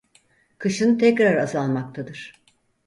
Kışın tekrar azalmaktadır.